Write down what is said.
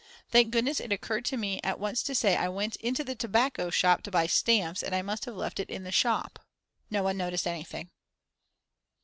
Thank goodness it occurred to me at once to say that I went into the tobacco shop to buy stamps and I must have left it in the shop. No one noticed anything.